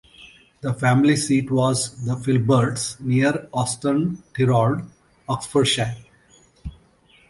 The family seat was The Filberts, near Aston Tirrold, Oxfordshire.